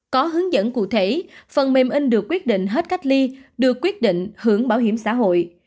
có hướng dẫn cụ thể phần mềm in được quyết định hết cách ly được quyết định hưởng bảo hiểm xã hội